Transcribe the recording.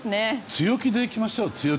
強気でいきましょう。